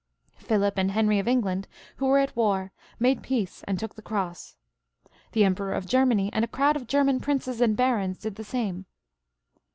Philip and Henry of England, who were at war, made peace and took the cross. The Emperor of Germany and a crowd of German princes and barons did the same.